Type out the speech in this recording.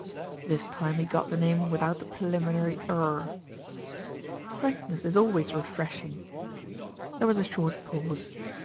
This time he got the name without the preliminary "er." "Frankness is always refreshing." There was a short pause.